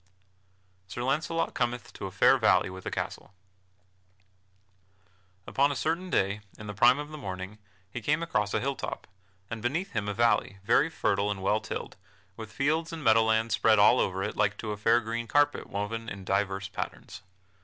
[Sidenote: Sir Launcelot cometh to a fair valley with a castle] Upon a certain day, in the prime of the morning, he came across a hilltop, and beheld beneath him a valley, very fertile and well tilled, with fields and meadow lands spread all over it like to a fair green carpet woven in divers patterns.